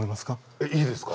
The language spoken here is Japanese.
えっいいですか？